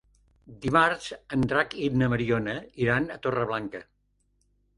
Dimarts en Drac i na Mariona iran a Torreblanca.